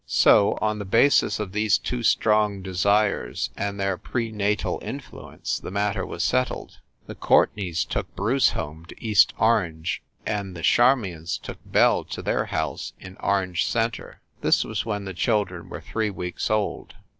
So, on the basis of these two strong desires, and their prenatal influence, the matter was settled. The Courtenays took Bruce home to East Orange, and the Charmions took Belle to their house in Orange Centre. This was when the children were three weeks old.